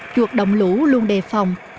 chuột đồng lũ luôn đề phòng